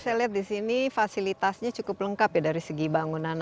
saya lihat di sini fasilitasnya cukup lengkap ya dari segi bangunan